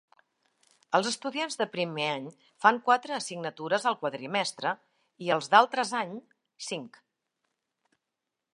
Els estudiants de primer any fan quatre assignatures al quadrimestre, i els d'altres any, cinc.